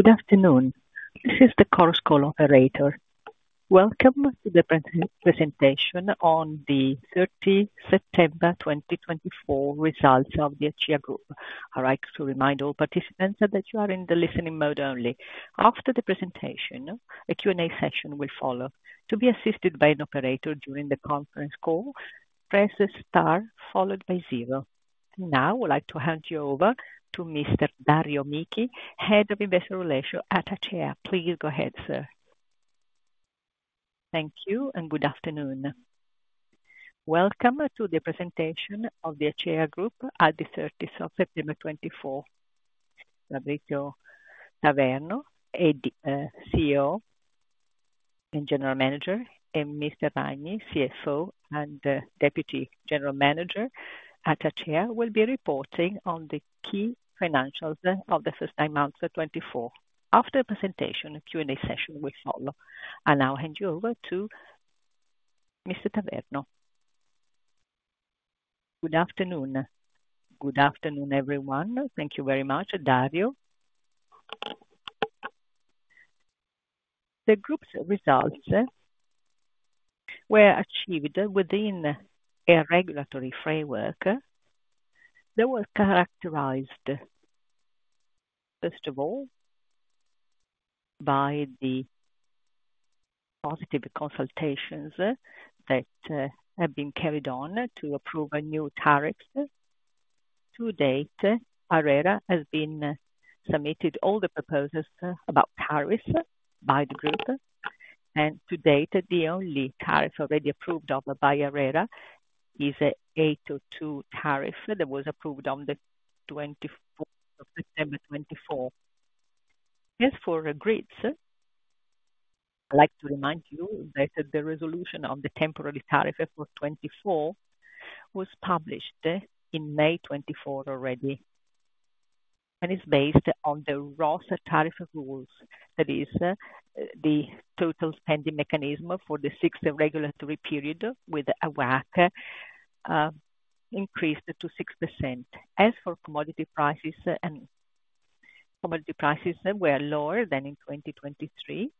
Good afternoon. This is the Chorus Call operator. Welcome to the presentation on the 30 September 2024 results of the ACEA Group. I'd like to remind all participants that you are in the listening mode only. After the presentation, a Q&A session will follow. To be assisted by an operator during the conference call, press star followed by zero. Now, I'd like to hand you over to Mr. Dario Michi, Head of Investor Relations at ACEA. Please go ahead, sir. Thank you, and good afternoon. Welcome to the presentation of the ACEA Group on the 30 September 2024. Fabrizio Palermo, CEO and General Manager, and Mr. Ragni, CFO and Deputy General Manager at ACEA, will be reporting on the key financials of the first nine months of 2024. After the presentation, a Q&A session will follow, and I'll hand you over to Mr. Palermo. Good afternoon. Good afternoon, everyone. Thank you very much, Dario. The group's results were achieved within a regulatory framework that was characterized, first of all, by the positive consultations that have been carried on to approve a new tariff. To date, ARERA has been submitting all the proposals about tariffs by the group, and to date, the only tariff already approved by ARERA is an ATO 2 tariff that was approved on the 24th of September 2024. As for grids, I'd like to remind you that the resolution on the temporary tariff for 2024 was published in May 2024 already, and it's based on the ROSS tariff rules, that is, the total spending mechanism for the sixth regulatory period with a WACC increased to 6%. As for commodity prices, commodity prices were lower than in 2023.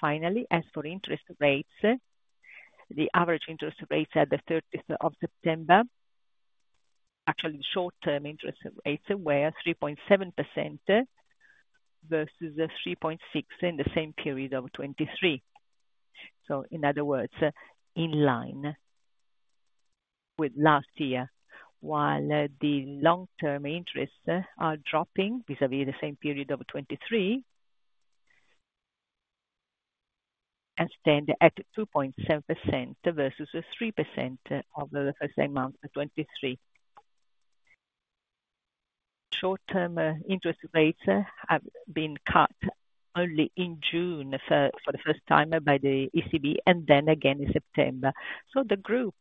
Finally, as for interest rates, the average interest rates at the 30th of September, actually, short-term interest rates were 3.7% versus 3.6% in the same period of 2023. In other words, in line with last year, while the long-term interests are dropping vis-à-vis the same period of 2023 and stand at 2.7% versus 3% of the first nine months of 2023. Short-term interest rates have been cut only in June for the first time by the ECB, and then again in September. The group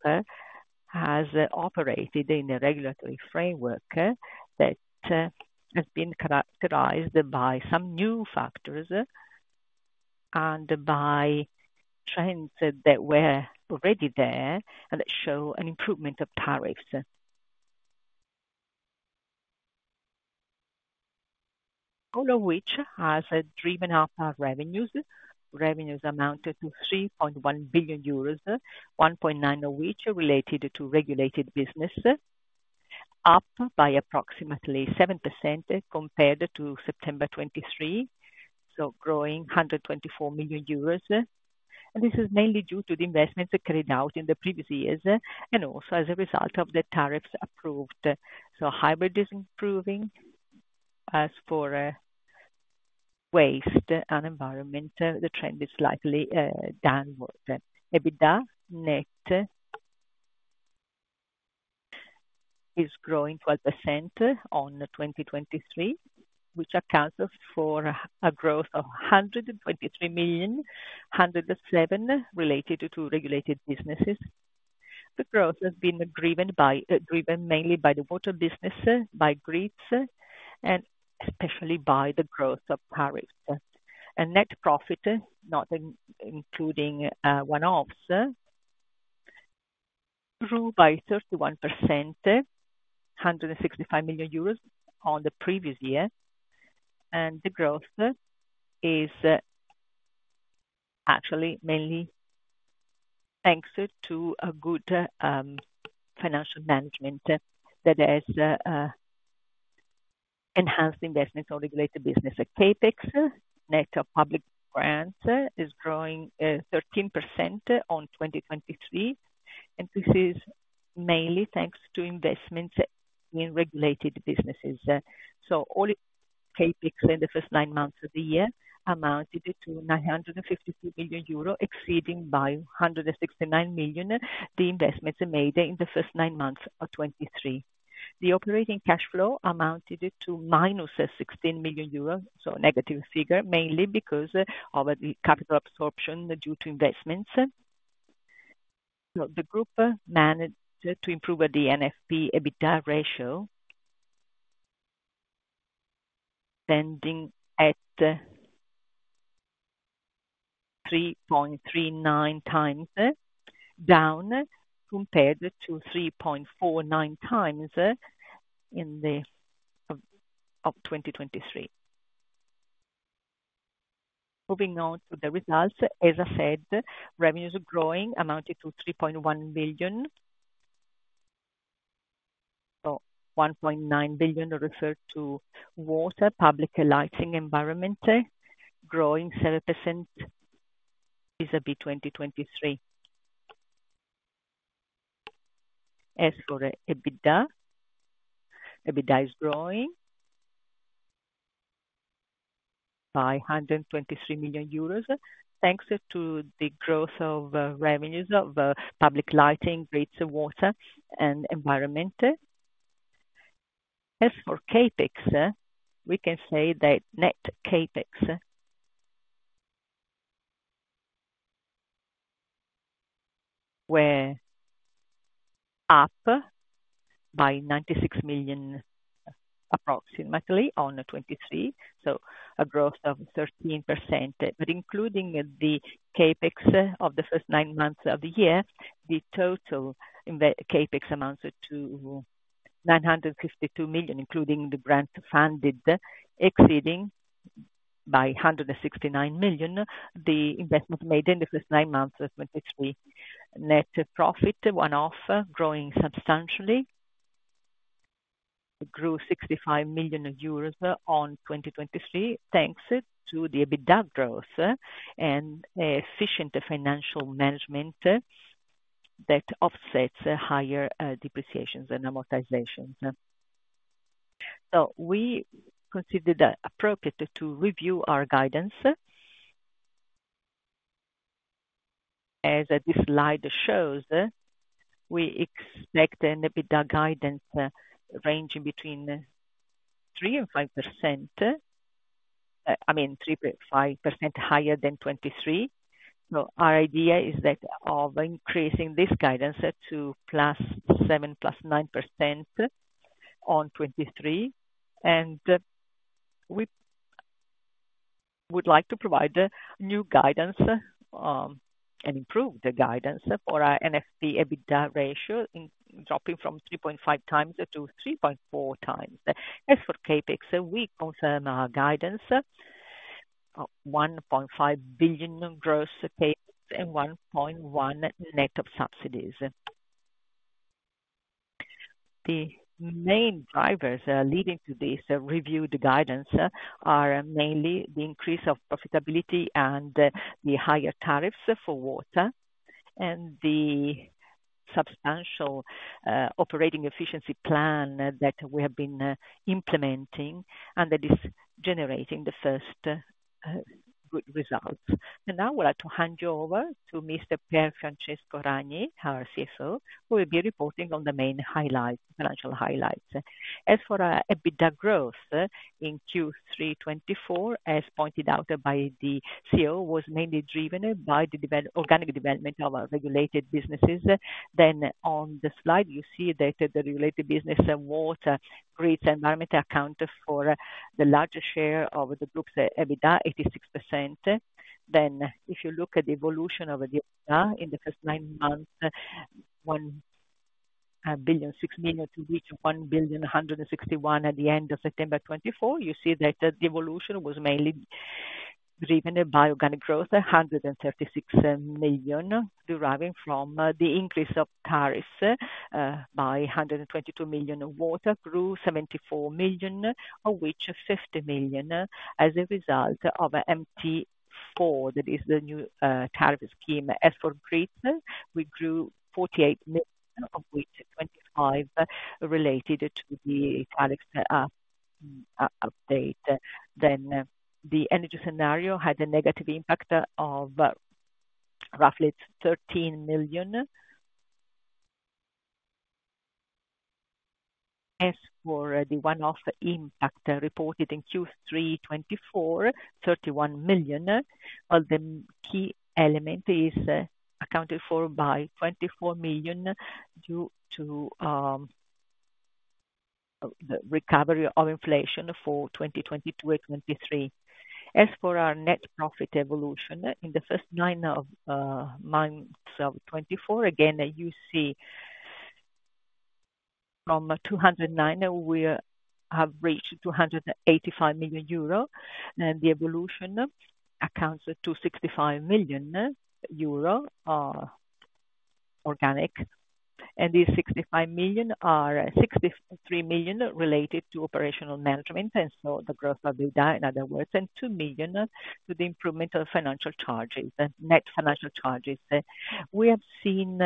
has operated in a regulatory framework that has been characterized by some new factors and by trends that were already there and that show an improvement of tariffs, all of which has driven up our revenues. Revenues amounted to 3.1 billion euros, 1.9 of which are related to regulated business, up by approximately 7% compared to September 2023, so growing 124 million euros. This is mainly due to the investments carried out in the previous years and also as a result of the tariffs approved. Hybrid is improving. As for waste and environment, the trend is slightly downward. EBITDA net is growing 12% on 2023, which accounts for a growth of €123 million, 107% related to regulated businesses. The growth has been driven mainly by the water business, by grids, and especially by the growth of tariffs. Net profit, not including one-offs, grew by 31%, €165 million on the previous year. The growth is actually mainly thanks to good financial management that has enhanced investments on regulated business. CapEx, net of public grants, is growing 13% on 2023, and this is mainly thanks to investments in regulated businesses. All CapEx in the first nine months of the year amounted to €952 million, exceeding by €169 million the investments made in the first nine months of 2023. The operating cash flow amounted to €16 million, so a negative figure, mainly because of the capital absorption due to investments. The group managed to improve the NFP/EBITDA ratio, standing at 3.39 times down compared to 3.49 times in the year of 2023. Moving on to the results, as I said, revenues are growing, amounting to €3.1 billion. €1.9 billion referred to water, public lighting, environment, growing 7% vis-à-vis 2023. As for EBITDA, EBITDA is growing by €123 million thanks to the growth of revenues of public lighting, grids, water, and environment. As for CAPEX, we can say that net CapEx were up by €96 million approximately on 2023, so a growth of 13%. But including the CapEx of the first nine months of the year, the total CapEx amounts to 952 million, including the grant funded, exceeding by 169 million the investments made in the first nine months of 2023. Net profit, one-off, growing substantially. It grew 65 million euros on 2023 thanks to the EBITDA growth and efficient financial management that offsets higher depreciations and amortizations. So we considered appropriate to review our guidance. As this slide shows, we expect an EBITDA guidance ranging between 3% and 5%, I mean, 3.5% higher than 2023. So our idea is that of increasing this guidance to +7%, +9% on 2023. And we would like to provide new guidance and improve the guidance for our NFP/EBITDA ratio, dropping from 3.5 times to 3.4 times. As for CapEx, we confirm our guidance of 1.5 billion gross CapEx and 1.1 billion net of subsidies. The main drivers leading to this reviewed guidance are mainly the increase of profitability and the higher tariffs for water and the substantial operating efficiency plan that we have been implementing and that is generating the first good results. And now I would like to hand you over to Mr. Pier Francesco Ragni, our CFO, who will be reporting on the main financial highlights. As for EBITDA growth in Q3 2024, as pointed out by the CEO, was mainly driven by the organic development of our regulated businesses. Then on the slide, you see that the regulated business, water, grids, and environment account for the largest share of the group's EBITDA, 86%. If you look at the evolution of EBITDA in the first nine months, €161 million to reach €1,161 million at the end of September 2024, you see that the evolution was mainly driven by organic growth, €136 million, deriving from the increase of tariffs by €122 million. Water grew €74 million, of which €50 million as a result of MTI-4, that is the new tariff scheme. As for grids, we grew €48 million, of which €25 million related to the tariffs update. Then the energy scenario had a negative impact of roughly €13 million. As for the one-off impact reported in Q3 2024, €31 million, the key element is accounted for by €24 million due to the recovery of inflation for 2022 and 2023. As for our net profit evolution, in the first nine months of 2024, again, you see from 209 million, we have reached 285 million euro, and the evolution amounts to 65 million euro organic. And these 65 million are 63 million related to operational management and so the growth of EBITDA, in other words, and 2 million to the improvement of financial charges, net financial charges. We have seen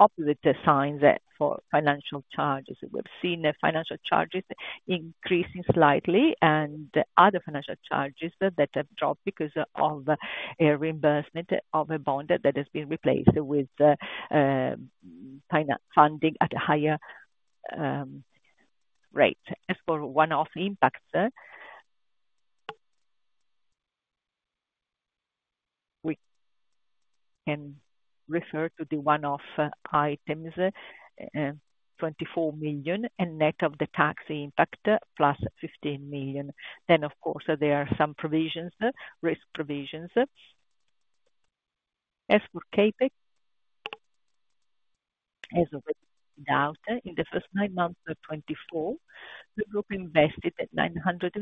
opposite signs for financial charges. We've seen financial charges increasing slightly and other financial charges that have dropped because of a reimbursement of a bond that has been replaced with funding at a higher rate. As for one-off impacts, we can refer to the one-off items, 24 million and net of the tax impact, plus 15 million. Then, of course, there are some provisions, risk provisions. As for CapEx, as already pointed out, in the first nine months of 2024, the group invested €952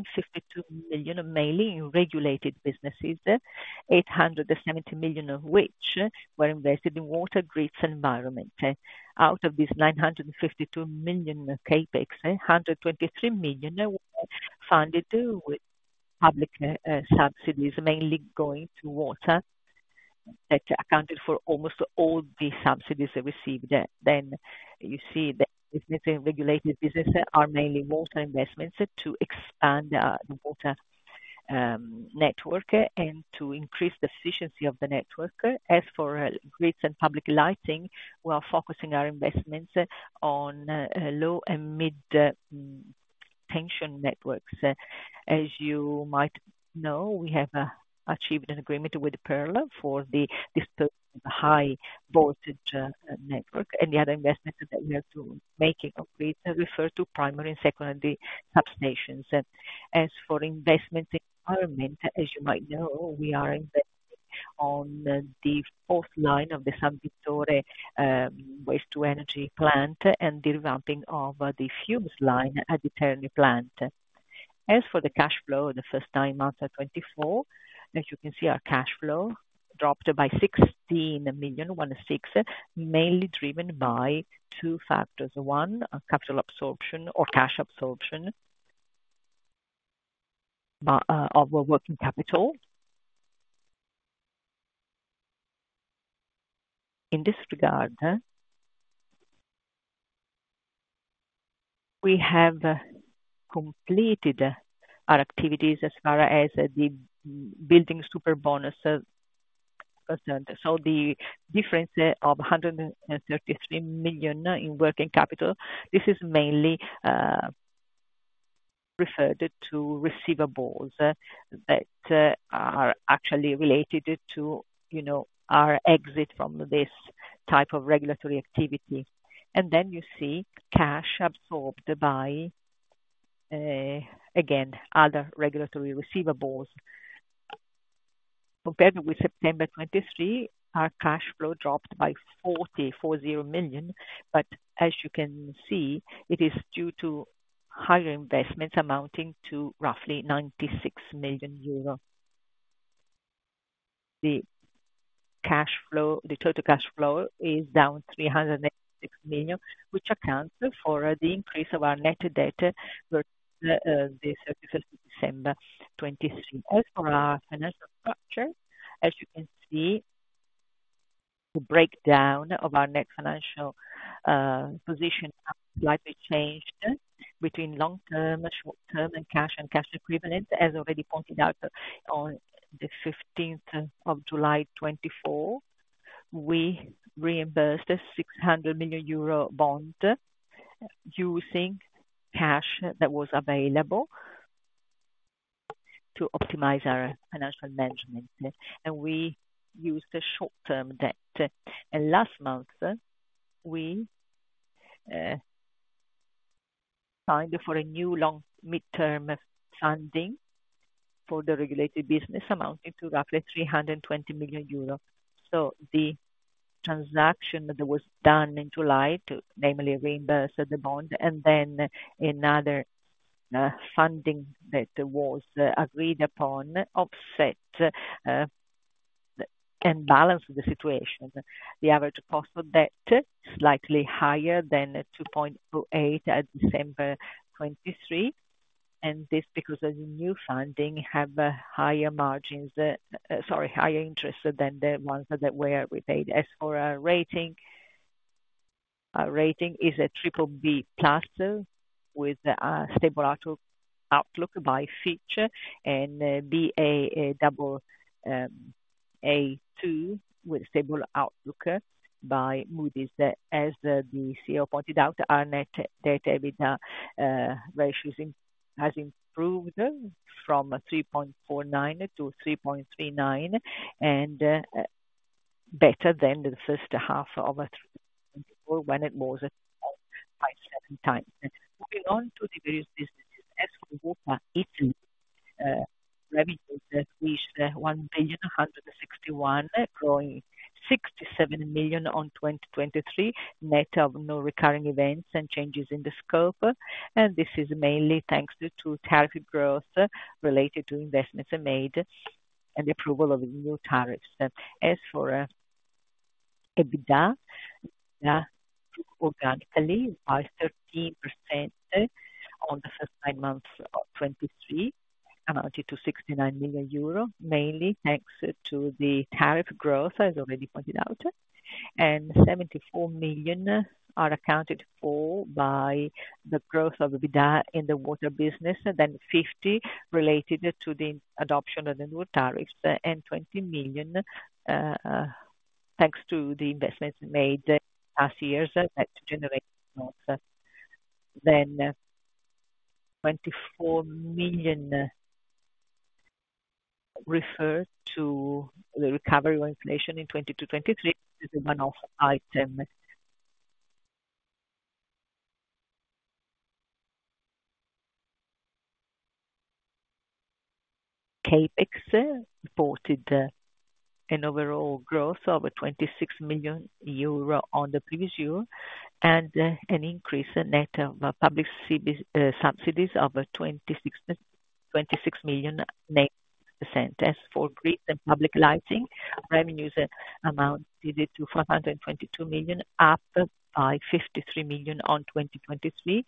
million mainly in regulated businesses, €870 million of which were invested in water, grids, and environment. Out of these €952 million CapEx, €123 million were funded with public subsidies, mainly going to water, that accounted for almost all the subsidies received. Then you see that regulated businesses are mainly water investments to expand the water network and to increase the efficiency of the network. As for grids and public lighting, we are focusing our investments on low and mid-tension networks. As you might know, we have achieved an agreement with Terna for the high-voltage network, and the other investments that we are making on grids refer to primary and secondary substations. As for investments in environment, as you might know, we are investing on the fourth line of the San Vittore waste-to-energy plant and the revamping of the fumes line at the Terni plant. As for the cash flow in the first nine months of 2024, as you can see, our cash flow dropped by 16 million, mainly driven by two factors: one, capital absorption or cash absorption of working capital. In this regard, we have completed our activities as far as the building Superbonus concerned. So the difference of 133 million in working capital, this is mainly referred to receivables that are actually related to our exit from this type of regulatory activity. And then you see cash absorbed by, again, other regulatory receivables. Compared with September 2023, our cash flow dropped by 40 million, but as you can see, it is due to higher investments amounting to roughly 96 million euro. The total cash flow is down 386 million, which accounts for the increase of our net debt versus the 31st of December 2023. As for our financial structure, as you can see, the breakdown of our net financial position slightly changed between long-term, short-term, and cash and cash equivalent. As already pointed out on the 15th of July 2024, we reimbursed a 600 million euro bond using cash that was available to optimize our financial management, and we used short-term debt, and last month, we signed for a new long-term funding for the regulated business amounting to roughly 320 million euros. The transaction that was done in July, namely to reimburse the bond, and then another funding that was agreed upon offset and balanced the situation. The average cost of debt is slightly higher than €2.08 at December 2023, and this is because the new funding has higher margins, sorry, higher interest than the ones that were repaid. As for our rating, our rating is a triple B plus with a stable outlook by Fitch and Baa2 with stable outlook by Moody's. As the CEO pointed out, our net debt/EBITDA ratio has improved from 3.49 to 3.39 and better than the first half of 2024 when it was down by seven times. Moving on to the various businesses. As for water, revenues reached €1.161, growing €67 million in 2023, net of non-recurring events and changes in the scope. This is mainly thanks to tariff growth related to investments made and the approval of new tariffs. As for EBITDA, EBITDA took organically by 13% on the first nine months of 2023, amounting to € 69 million, mainly thanks to the tariff growth, as already pointed out. € 74 million are accounted for by the growth of EBITDA in the water business, then € 50 million related to the adoption of the new tariffs, and € 20 million thanks to the investments made last year that generated growth. € 24 million referred to the recovery of inflation in 2022-2023 as a one-off item. CAPEX reported an overall growth of € 26 million on the previous year and an increase, net of public subsidies, of € 26 million, 9%. As for grids and public lighting, revenues amounted to € 522 million, up by € 53 million in 2023.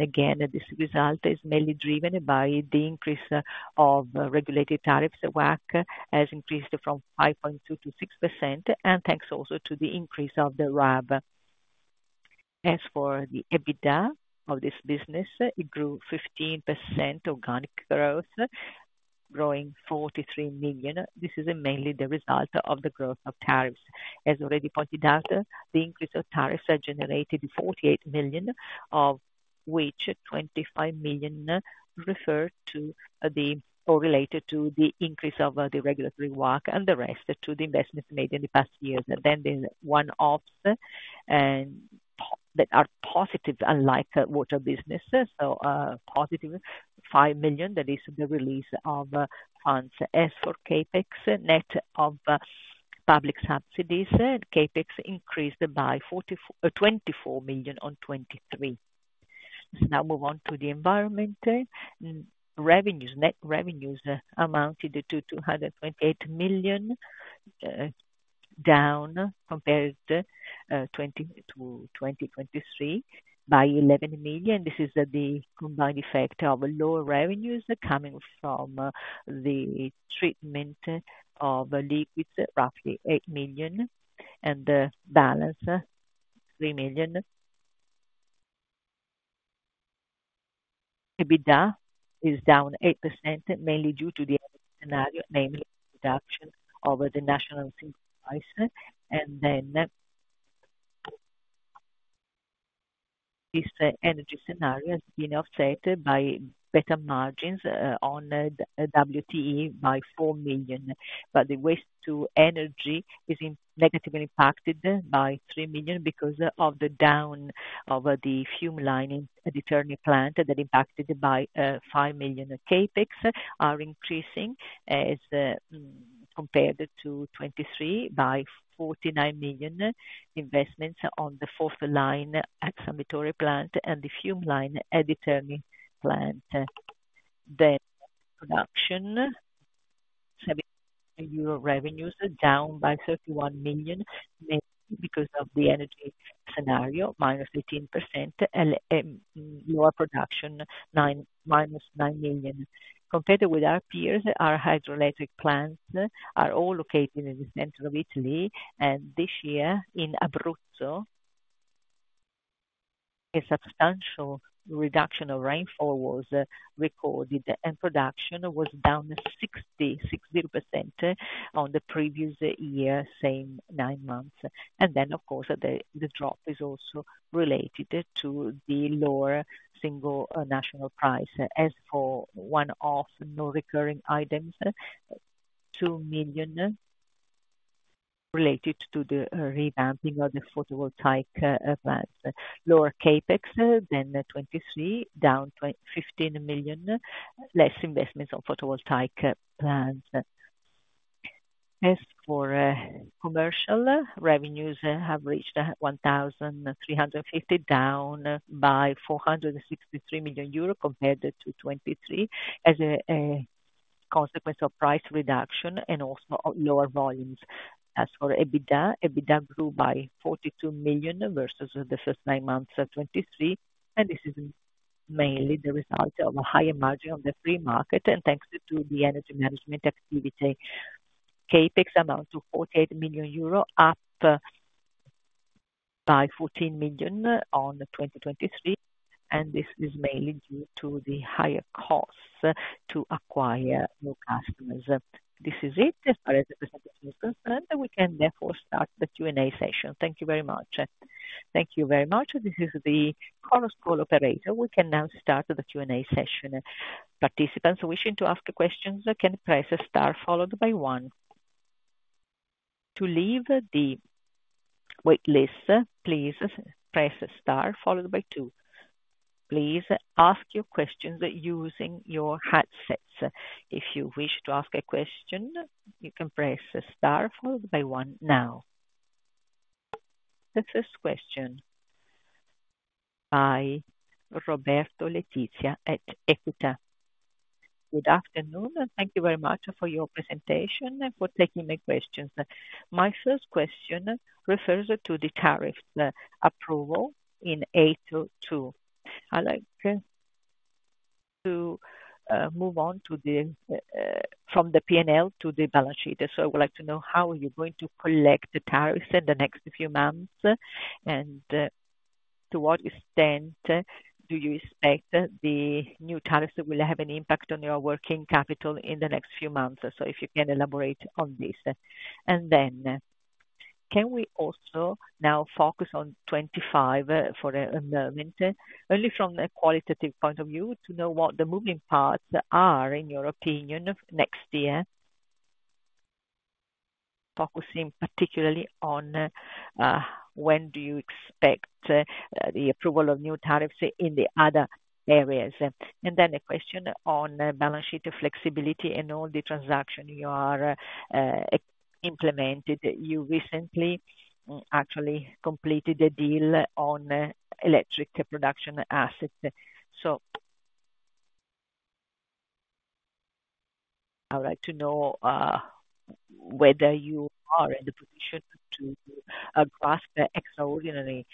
Again, this result is mainly driven by the increase of regulated tariffs. WACC has increased from 5.2%-6%, and thanks also to the increase of the RAB. As for the EBITDA of this business, it grew 15% organic growth, growing €43 million. This is mainly the result of the growth of tariffs. As already pointed out, the increase of tariffs has generated €48 million, of which €25 million referred to or related to the increase of the regulatory WACC and the rest to the investments made in the past years. The one-offs that are positive, unlike water business, so positive €5 million, that is the release of funds. As for CapEx, net of public subsidies, CAPEX increased by €24 million in 2023. Now move on to the environment. Net revenues amounted to €228 million, down compared to 2023 by €11 million. This is the combined effect of lower revenues coming from the treatment of liquids, roughly €8 million, and balance €3 million. EBITDA is down 8%, mainly due to the energy scenario, namely the reduction of the Single National Price, and then this energy scenario has been offset by better margins on WTE by €4 million, but the waste-to-energy is negatively impacted by €3 million because of the downtime of the fume line at the Terni plant that impacted by €5 million. CapEx are increasing as compared to 2023 by €49 million investments on the fourth line at San Vittore plant and the fume line at the Terni plant, then production, €79 million revenues, down by €31 million mainly because of the energy scenario, minus 18%, and lower production, minus €9 million. Compared with our peers, our hydroelectric plants are all located in the center of Italy, and this year in Abruzzo, a substantial reduction of rainfall was recorded, and production was down 60% on the previous year, same nine months. And then, of course, the drop is also related to the lower single national price. As for one-off non-recurring items, 2 million related to the revamping of the photovoltaic plants. Lower CapEx than 2023, down 15 million, less investments on photovoltaic plants. As for commercial, revenues have reached 1,350, down by 463 million euro compared to 2023 as a consequence of price reduction and also lower volumes. As for EBITDA, EBITDA grew by 42 million versus the first nine months of 2023, and this is mainly the result of a higher margin on the free market and thanks to the energy management activity. CapEx amounted to € 48 million, up by € 14 million in 2023, and this is mainly due to the higher costs to acquire new customers. This is it. As far as the presentation is concerned, we can therefore start the Q&A session. Thank you very much. This is the Chorus Call operator. We can now start the Q&A session. Participants wishing to ask questions can press star followed by one. To leave the waitlist, please press star followed by two. Please ask your questions using your headsets. If you wish to ask a question, you can press star followed by one now. The first question by Roberto Letizia at Equita. Good afternoon, and thank you very much for your presentation and for taking my questions. My first question refers to the tariff approval in ATO 2. I'd like to move on from the P&L to the balance sheet. I would like to know how you're going to collect the tariffs in the next few months and to what extent do you expect the new tariffs will have an impact on your working capital in the next few months. So if you can elaborate on this. And then can we also now focus on 2025 for a moment, only from a qualitative point of view, to know what the moving parts are in your opinion next year, focusing particularly on when do you expect the approval of new tariffs in the other areas? And then a question on balance sheet flexibility and all the transactions you have implemented. You recently actually completed a deal on electric production assets. So I would like to know whether you are in the position to grasp extraordinary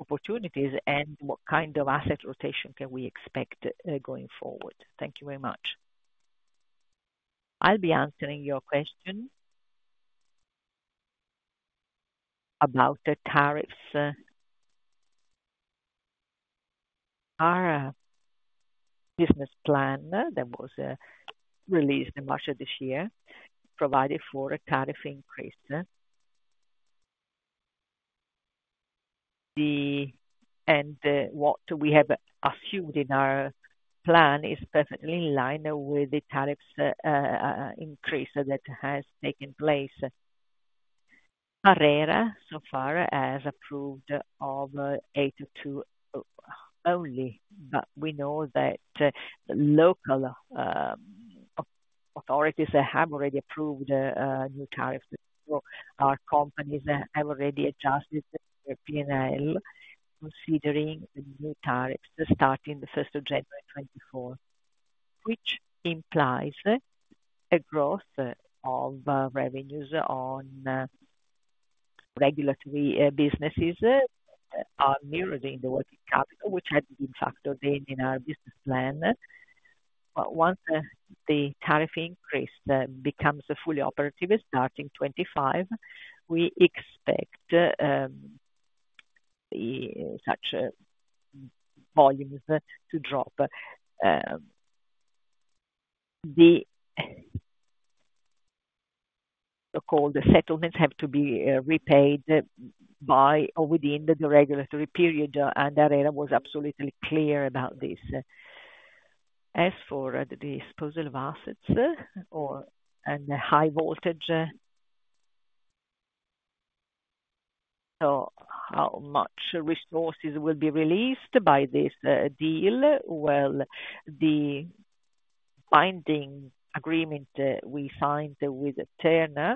opportunities and what kind of asset rotation can we expect going forward. Thank you very much. I'll be answering your question about the tariffs. Our business plan that was released in March of this year provided for a tariff increase. What we have assumed in our plan is perfectly in line with the tariffs increase that has taken place. ARERA so far has approved ATO 2 only, but we know that local authorities have already approved new tariffs. Our companies have already adjusted the P&L considering the new tariffs starting the 1st of January 2024, which implies a growth of revenues on regulatory businesses that are mirrored in the working capital, which had been factored in in our business plan. Once the tariff increase becomes fully operative starting 2025, we expect such volumes to drop. The so-called settlements have to be repaid by or within the regulatory period, and ARERA was absolutely clear about this. As for the disposal of assets or the high voltage, so how much resources will be released by this deal? Well, the binding agreement we signed with Terna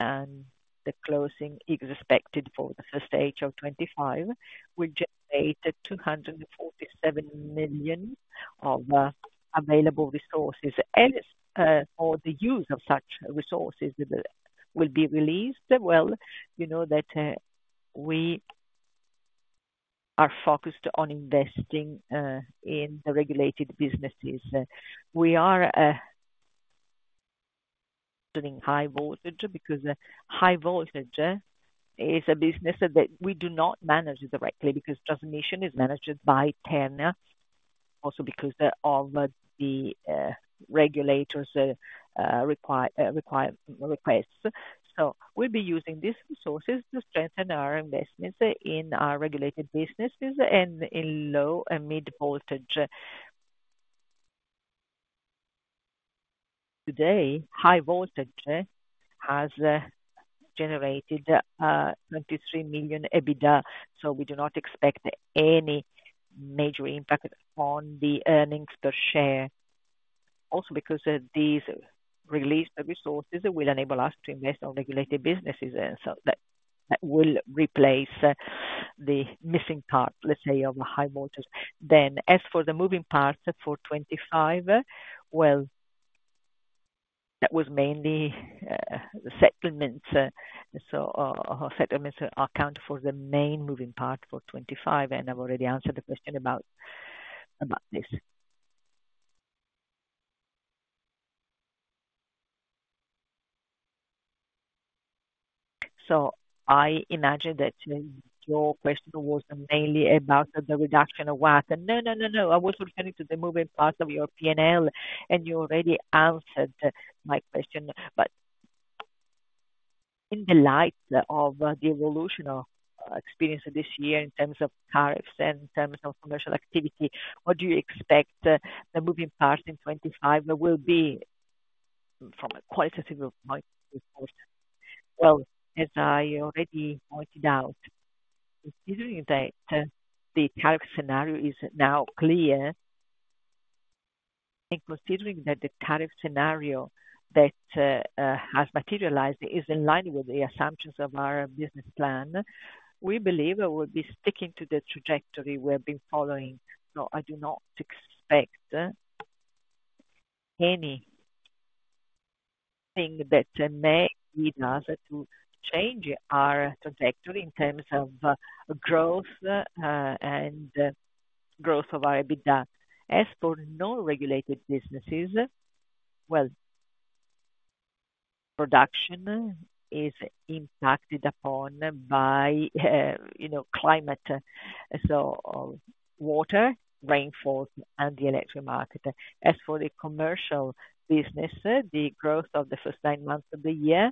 and the closing expected for the first stage of 2025 will generate €247 million of available resources. And for the use of such resources that will be released, well, you know that we are focused on investing in the regulated businesses. We are considering high voltage because high voltage is a business that we do not manage directly because transmission is managed by Terna, also because of the regulators' requests. So we'll be using these resources to strengthen our investments in our regulated businesses and in low and mid voltage. Today, high voltage has generated €23 million EBITDA, so we do not expect any major impact on the earnings per share. Also because these released resources will enable us to invest in regulated businesses, and so that will replace the missing part, let's say, of high voltage. Then as for the moving parts for 2025, that was mainly settlements. So settlements account for the main moving part for 2025, and I've already answered the question about this. So I imagine that your question was mainly about the reduction of WACC. No, no, no, no. I was referring to the moving parts of your P&L, and you already answered my question. But in the light of the evolution of experience this year in terms of tariffs and in terms of commercial activity, what do you expect the moving parts in 2025 will be from a qualitative point of view? Well, as I already pointed out, considering that the tariff scenario is now clear and considering that the tariff scenario that has materialized is in line with the assumptions of our business plan, we believe we will be sticking to the trajectory we have been following. So I do not expect anything that may lead us to change our trajectory in terms of growth and growth of our EBITDA. As for non-regulated businesses, well, production is impacted upon by climate, so water, rainfall, and the electric market. As for the commercial business, the growth of the first nine months of the year,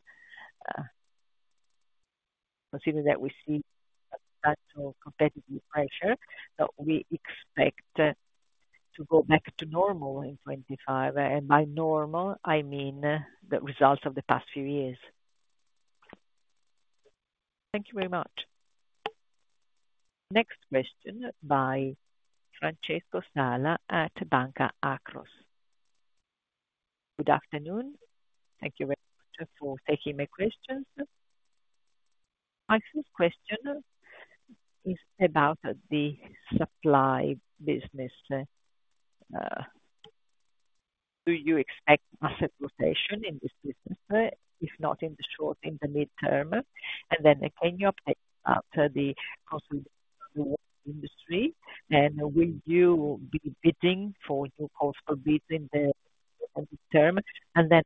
considering that we see substantial competitive pressure, we expect to go back to normal in 2025. And by normal, I mean the results of the past few years. Thank you very much. Next question by Francesco Sala at Banca Akros. Good afternoon. Thank you very much for taking my questions. My first question is about the supply business. Do you expect asset rotation in this business, if not in the short, in the mid-term? And then can you update about the consolidation of the water industry? And will you be bidding for new coastal bids in the mid-term? And then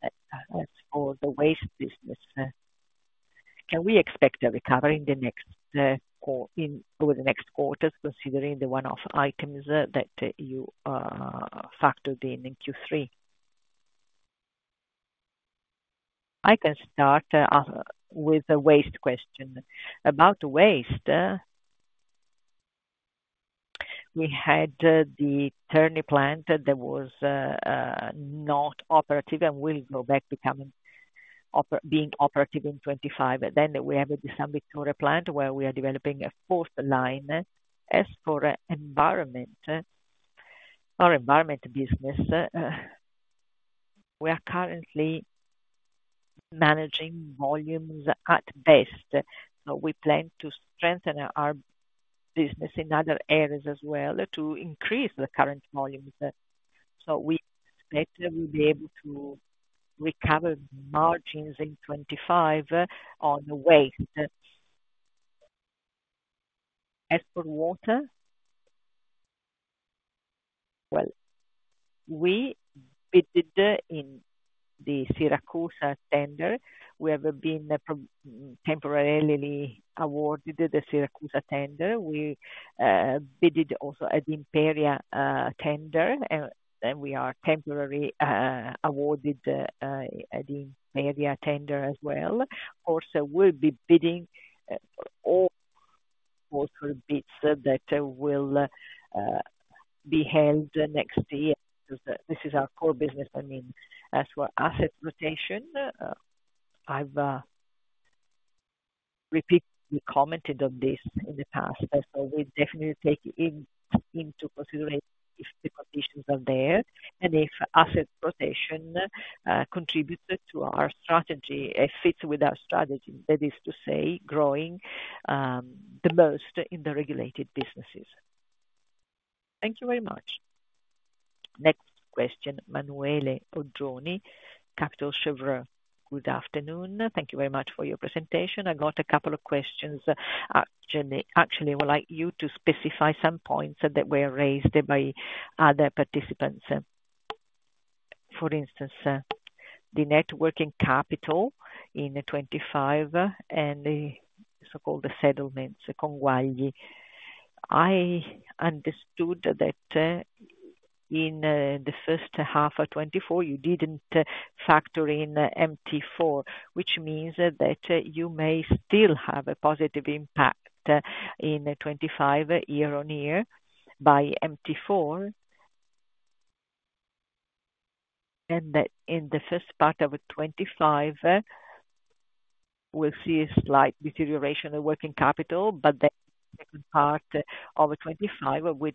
as for the waste business, can we expect a recovery in the next quarters, considering the one-off items that you factored in in Q3? I can start with a waste question. About waste, we had the Terni plant that was not operative and will go back to being operative in 2025. Then we have the San Vittore plant where we are developing a fourth line. As for our environment business, we are currently managing volumes at best. We plan to strengthen our business in other areas as well to increase the current volumes. We expect that we'll be able to recover margins in 2025 on waste. As for water, well, we bid in the Siracusa tender. We have been temporarily awarded the Siracusa tender. We bid also at the Imperia tender, and then we are temporarily awarded at the Imperia tender as well. Of course, we'll be bidding all coastal bids that will be held next year. This is our core business. I mean, as for asset rotation, I've repeatedly commented on this in the past. We definitely take into consideration if the conditions are there and if asset rotation contributes to our strategy, it fits with our strategy. That is to say, growing the most in the regulated businesses. Thank you very much. Next question, Emanuele Oggioni, Kepler Cheuvreux. Good afternoon. Thank you very much for your presentation. I got a couple of questions. Actually, I would like you to specify some points that were raised by other participants. For instance, the net working capital in 2025 and the so-called settlements, conguagli. I understood that in the first half of 2024, you didn't factor in MTI-4, which means that you may still have a positive impact in 2025 year on year by MTI-4, and that in the first part of 2025, we'll see a slight deterioration of working capital, but then in the second part of 2025, with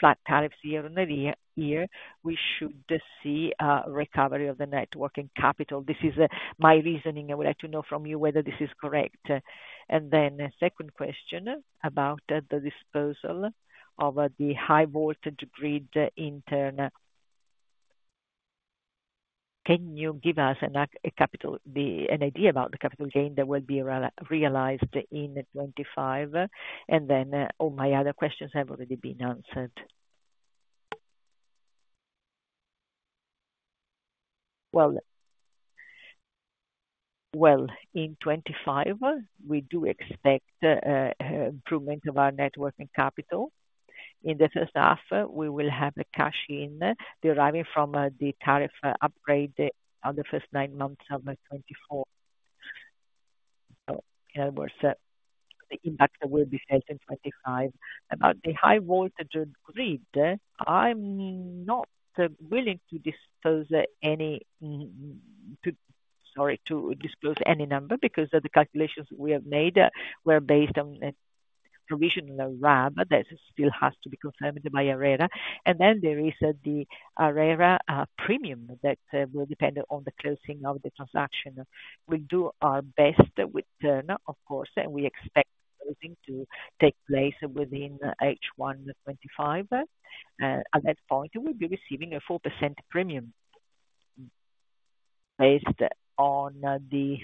flat tariffs year on year, we should see a recovery of the net working capital. This is my reasoning. I would like to know from you whether this is correct. Then second question about the disposal of the high-voltage grid in Terni. Can you give us an idea about the capital gain that will be realized in 2025? And then all my other questions have already been answered. In 2025, we do expect improvement of our net working capital. In the first half, we will have a cash in deriving from the tariff upgrade on the first nine months of 2024. So in other words, the impact will be felt in 2025. About the high-voltage grid, I am not willing to disclose any number because the calculations we have made were based on provisional RAB that still has to be confirmed by ARERA. There is the ARERA premium that will depend on the closing of the transaction. We will do our best with Terna, of course, and we expect closing to take place within H1 2025. At that point, we will be receiving a 4% premium based on the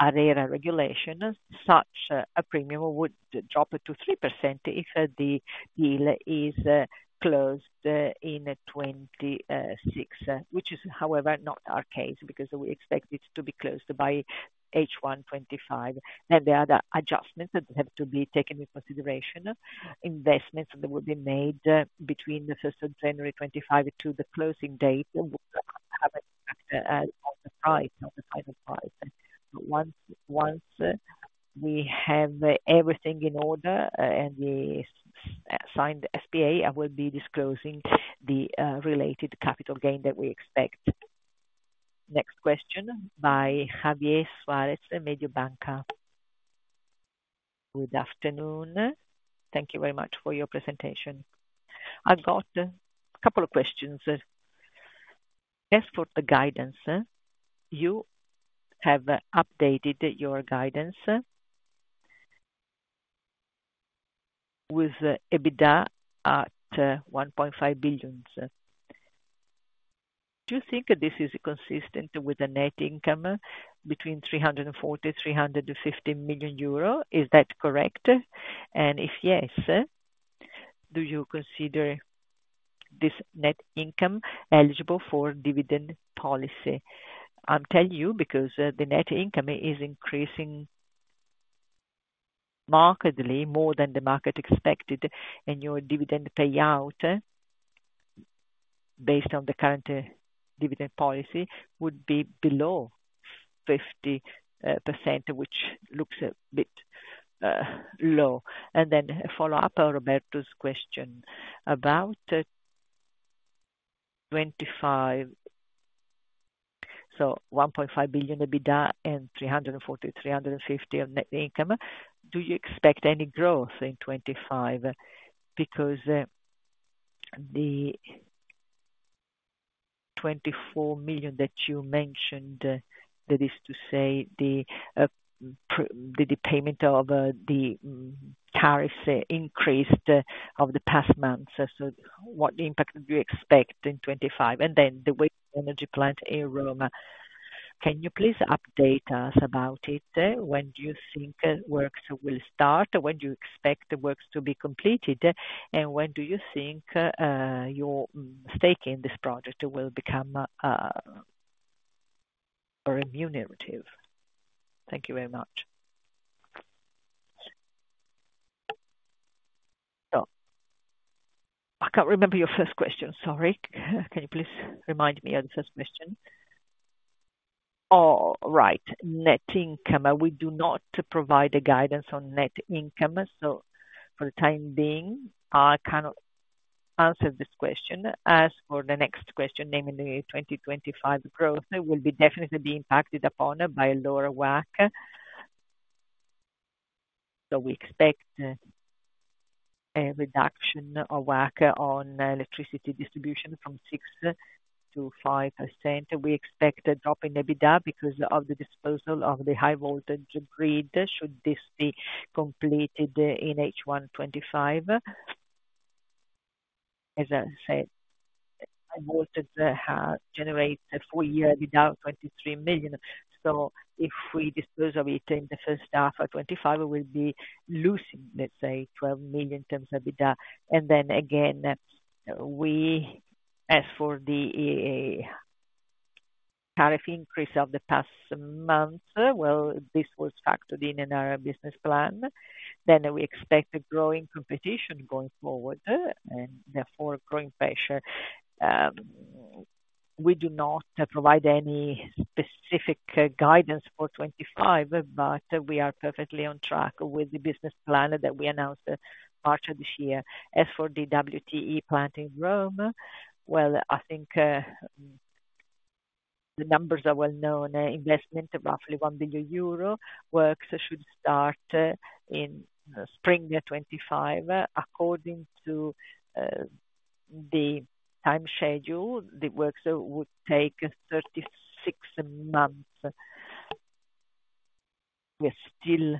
ARERA regulation. Such a premium would drop to 3% if the deal is closed in 2026, which is, however, not our case because we expect it to be closed by H1 2025, and the other adjustments that have to be taken into consideration, investments that will be made between the 1st of January 2025 to the closing date, have a price of the final price, but once we have everything in order and the signed SPA, I will be disclosing the related capital gain that we expect. Next question by Javier Suarez, Mediobanca. Good afternoon. Thank you very much for your presentation. I've got a couple of questions. As for the guidance, you have updated your guidance with EBITDA at 1.5 billion. Do you think this is consistent with the net income between 340 million and 350 million euro? Is that correct? If yes, do you consider this net income eligible for dividend policy? I'm telling you because the net income is increasing markedly more than the market expected, and your dividend payout based on the current dividend policy would be below 50%, which looks a bit low. Then a follow-up on Roberto's question about 2025. So 1.5 billion EBITDA and 340 to 350 of net income. Do you expect any growth in 2025? Because the 24 million that you mentioned, that is to say the payment of the tariffs increased over the past months. So what impact do you expect in 2025? And then the waste-to-energy plant in Rome, can you please update us about it? When do you think works will start? When do you expect the works to be completed? And when do you think your stake in this project will become remunerative? Thank you very much. I can't remember your first question. Sorry. Can you please remind me of the first question? All right. Net income. We do not provide a guidance on net income. So for the time being, I cannot answer this question. As for the next question, namely 2025 growth, will be definitely impacted upon by lower WACC. So we expect a reduction of WACC on electricity distribution from 6%-5%. We expect a drop in EBITDA because of the disposal of the high-voltage grid. Should this be completed in H1 2025? As I said, high-voltage generates a four-year EBITDA of 23 million. So if we dispose of it in the first half of 2025, we'll be losing, let's say, 12 million in terms of EBITDA. And then again, as for the tariff increase of the past month, well, this was factored in in our business plan. Then we expect growing competition going forward and therefore growing pressure. We do not provide any specific guidance for 2025, but we are perfectly on track with the business plan that we announced in March of this year. As for the WTE plant in Rome, well, I think the numbers are well known. Investment of roughly 1 billion euro, works should start in spring 2025. According to the time schedule, the works would take 36 months. We are still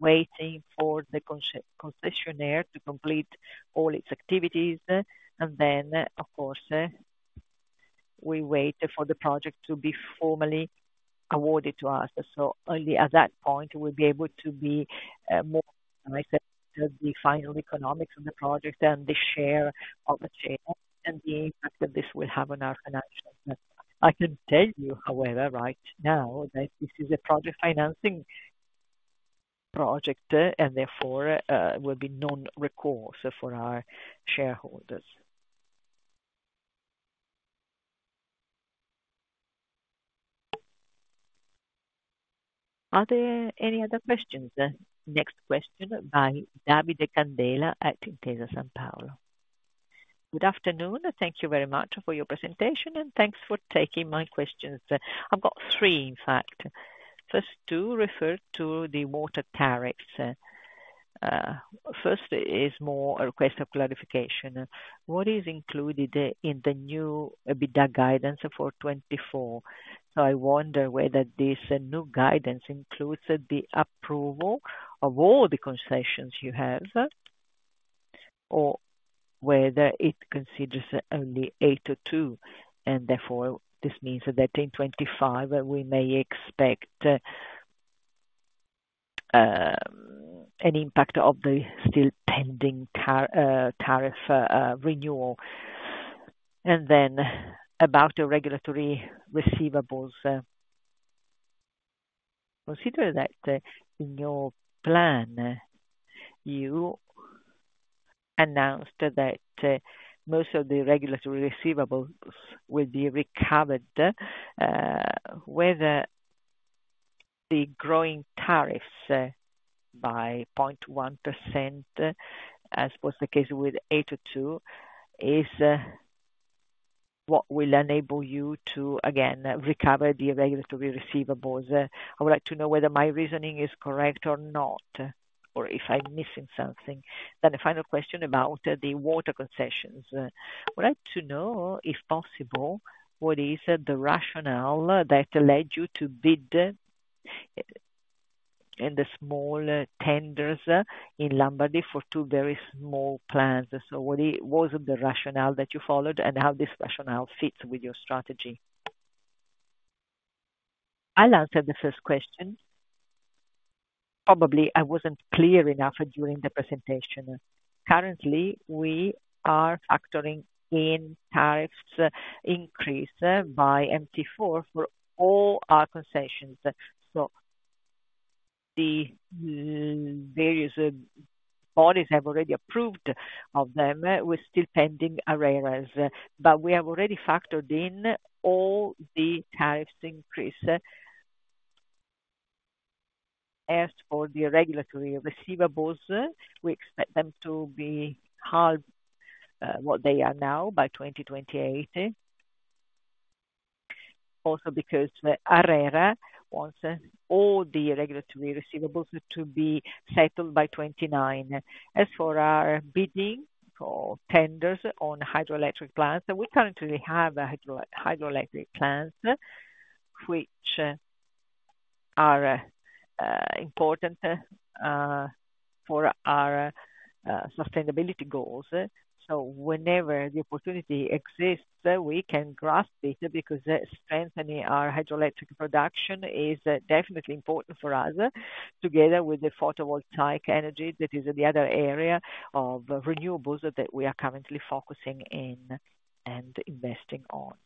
waiting for the concessionaire to complete all its activities. And then, of course, we wait for the project to be formally awarded to us. So only at that point will we be able to say more on the final economics of the project and the share of the CapEx and the impact that this will have on our financials. I can tell you, however, right now that this is a project financing project and therefore will be non-recourse for our shareholders. Are there any other questions? Next question by Davide Candela at Intesa Sanpaolo. Good afternoon. Thank you very much for your presentation and thanks for taking my questions. I've got three, in fact. First two refer to the water tariffs. First is more a request for clarification. What is included in the new EBITDA guidance for 2024? So I wonder whether this new guidance includes the approval of all the concessions you have or whether it considers only ATO 2. And therefore, this means that in 2025, we may expect an impact of the still pending tariff renewal. And then about the regulatory receivables. Consider that in your plan, you announced that most of the regulatory receivables will be recovered. Whether the growing tariffs by 0.1%, as was the case with ATO 2, is what will enable you to, again, recover the regulatory receivables. I would like to know whether my reasoning is correct or not, or if I'm missing something. Then a final question about the water concessions. I would like to know, if possible, what is the rationale that led you to bid in the small tenders in Lombardy for two very small plants? So what was the rationale that you followed and how this rationale fits with your strategy? I'll answer the first question. Probably I wasn't clear enough during the presentation. Currently, we are factoring in tariffs increase by MTI-4 for all our concessions. So the various bodies have already approved of them. We're still pending ARERA's. But we have already factored in all the tariffs increase. As for the regulatory receivables, we expect them to be half what they are now by 2028. Also because ARERA wants all the regulatory receivables to be settled by 2029. As for our bidding for tenders on hydroelectric plants, we currently have hydroelectric plants which are important for our sustainability goals. So whenever the opportunity exists, we can grasp it because strengthening our hydroelectric production is definitely important for us, together with the photovoltaic energy that is the other area of renewables that we are currently focusing in and investing on.